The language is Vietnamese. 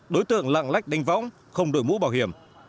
đối tượng lạng lách đánh võng không đổi mũ bảo hiểm